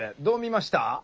どう見ました？